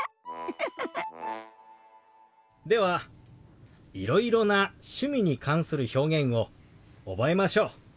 ではいろいろな趣味に関する表現を覚えましょう。